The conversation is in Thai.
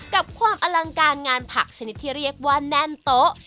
กับความอลังการงานผักชนิดที่เรียกว่าแน่นโต๊ะ